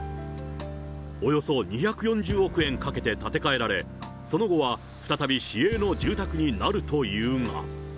およそ２４０億円かけて建て替えられ、その後は再び市営の住宅になるというが。